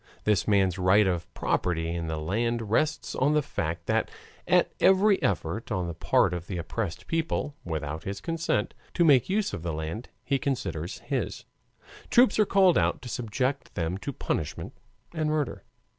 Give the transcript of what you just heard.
This man's right of property in the land rests on the fact that at every effort on the part of the oppressed people, without his consent, to make use of the land he considers his, troops are called out to subject them to punishment and murder.